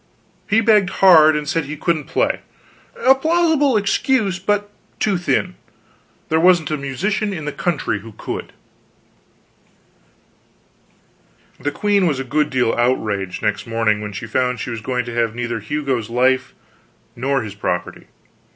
He begged hard, and said he couldn't play a plausible excuse, but too thin; there wasn't a musician in the country that could. The queen was a good deal outraged, next morning when she found she was going to have neither Hugo's life nor his property.